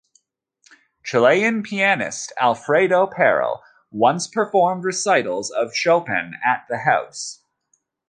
Chilean pianist Alfredo Perl once performed recitals of Chopin at the house.